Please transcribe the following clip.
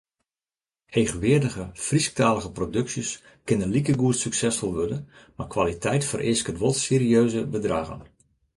Heechweardige Frysktalige produksjes kinne likegoed suksesfol wurde, mar kwaliteit fereasket wol serieuze bedraggen.